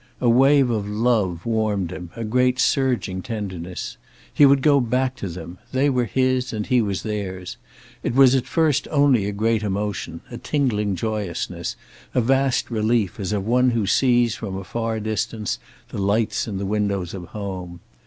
A wave of love warmed him, a great surging tenderness. He would go back to them. They were his and he was theirs. It was at first only a great emotion; a tingling joyousness, a vast relief, as of one who sees, from a far distance, the lights in the windows of home.